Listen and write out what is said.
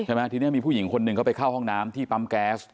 ใช่ไหมทีนี้มีผู้หญิงคนหนึ่งเขาไปเข้าห้องน้ำที่ปั๊มแก๊ส